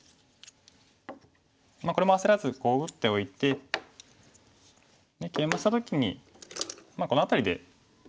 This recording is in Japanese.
これも焦らず打っておいてケイマした時にこの辺りで。